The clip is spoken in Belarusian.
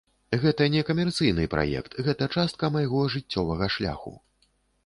Гэта не камерцыйны праект, гэта частка майго жыццёвага шляху.